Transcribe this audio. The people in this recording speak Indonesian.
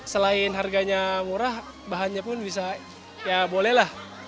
selain harganya murah bahannya pun bisa ya boleh lah